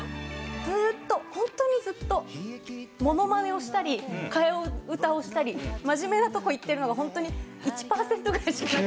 ずっと、本当にずっと、ものまねをしたり、替え歌をしたり、真面目なこと言っているのは、本当に１％ぐらいしかない。